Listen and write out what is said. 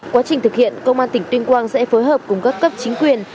quá trình thực hiện công an tỉnh tuyên quang sẽ phối hợp cùng các cấp chính quyền